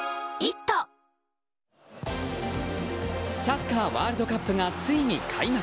サッカーワールドカップがついに開幕。